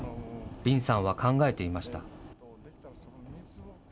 林さんは考えていました。